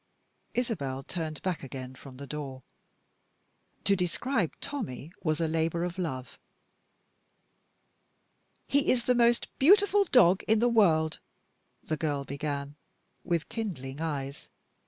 Isabel turned back again from the door. To describe Tommie was a labor of love. "He is the most beautiful dog in the world!" the girl began, with kindling eyes.